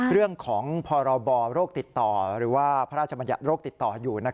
เรื่องของพรบโรคติดต่อหรือว่าพระราชบัญญัติโรคติดต่ออยู่